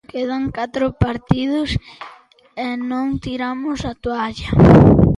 Quedan catro partidos e non tiramos a toalla.